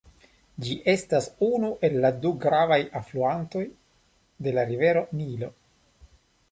Ĝi estas unu el la du gravaj alfluantoj de la Rivero Nilo.